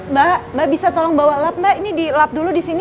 mbak mbak bisa tolong bawa lap mbak ini dilap dulu disini